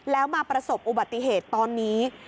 แล้วมาประสบอุบัติเหตุตอนนี้